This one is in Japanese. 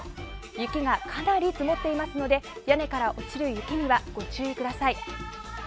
雪がかなり積もっていますので屋根から落ちる雪にはご注意ください。